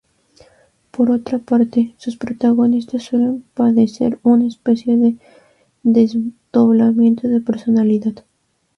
Por otra parte, sus protagonistas suelen padecer una especie de desdoblamiento de personalidad.